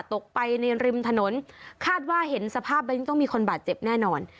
ตกไปในริมถนนคาดว่าเห็นสภาพแล้วยิ่งต้องมีคนบาดเจ็บแน่นอน